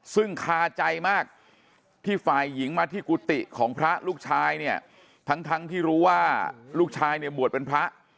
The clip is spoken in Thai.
ซึ่งคาใจมากที่ฝ่ายหญิงมาที่กุฏิของพระลูกชายเนี่ยทั้งที่รู้ว่าลูกชายเนี่ยบวชเป็นพระ